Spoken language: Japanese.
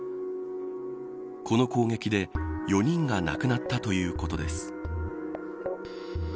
この攻撃で４人が亡くなったということです。